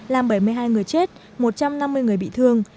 làm bảy mươi hai người chết một trăm năm mươi người bị thương